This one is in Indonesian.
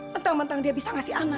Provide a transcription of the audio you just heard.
mentang mentang dia bisa ngasih anak